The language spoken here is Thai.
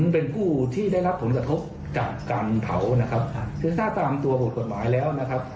เป็นผู้ที่ได้รับผลกระทบจากการเผาถ้าตามตัวหัวหมายแล้ว